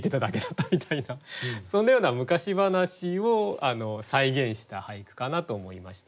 そんなような昔話を再現した俳句かなと思いました。